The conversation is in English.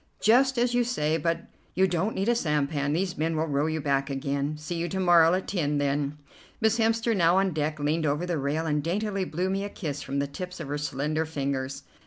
"Just as you say; but you don't need a sampan, these men will row you back again. See you to morrow at ten, then." Miss Hemster, now on deck, leaned over the rail and daintily blew me a kiss from the tips of her slender fingers.